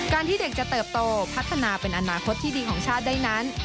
ที่เด็กจะเติบโตพัฒนาเป็นอนาคตที่ดีของชาติได้นั้น